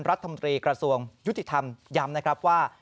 รัฐมนตรีกระทรวงยุติธรรมย้ำนะครับว่า